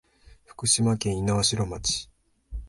福島県猪苗代町